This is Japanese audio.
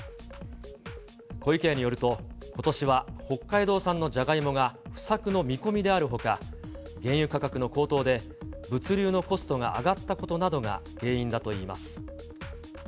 湖池屋によると、ことしは北海道産のじゃがいもが不作の見込みであるほか、原油価格の高騰で、物流のコストが上がったことなどが原因だといいます。